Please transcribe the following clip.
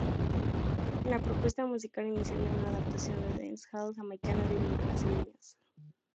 La propuesta musical inicial era una adaptación de dance hall jamaicano y ritmos brasileños.